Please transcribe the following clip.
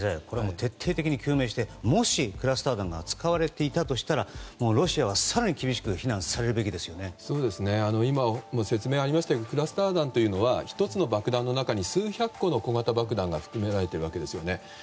これは徹底的に究明してもしクラスター弾が使われていたとしたらロシアは更に厳しく今、説明ありましたがクラスター弾というのは１つの爆弾の中に数百個の小型爆弾が含まれているわけですね。